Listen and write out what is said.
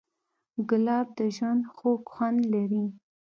ګلاب د ژوند خوږ خوند لري.